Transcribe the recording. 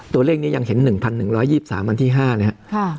ตัวเลขนี้ยังเห็น๑๑๒๓วันที่๕นะครับ